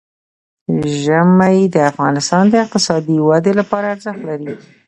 ژمی د افغانستان د اقتصادي ودې لپاره ارزښت لري.